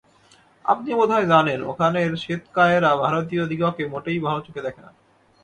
আপনি বোধহয় জানেন, ওখানের শ্বেতকায়েরা ভারতীয়দিগকে মোটেই ভাল চোখে দেখে না।